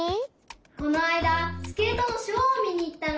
このあいだスケートのショーをみにいったの。